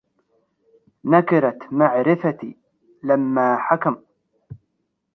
نكرت معرفتي لما حكم